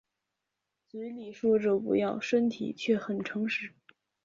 嘴里说着不要身体却很诚实